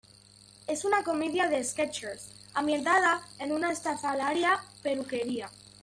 Es una comedia de "sketches" ambientada en una estrafalaria peluquería.